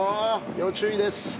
要注意です。